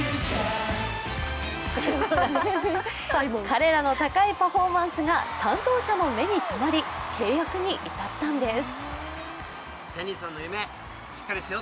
彼らの高いパフォーマンスが担当者の目に止まり契約に至ったんです。